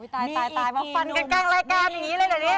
ตายมาฟันกันแกล้งรายการอย่างนี้เลย